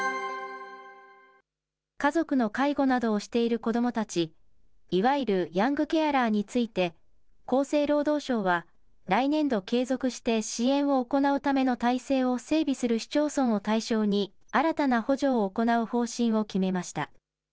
家族の介護などをしている子どもたち、いわゆるヤングケアラーについて、厚生労働省は来年度継続して支援を行うための体制を整備する市町村を対象に、新たな補助を行う方針を決めました。